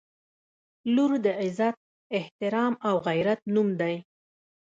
• لور د عزت، احترام او غیرت نوم دی.